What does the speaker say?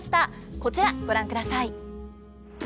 こちらご覧ください。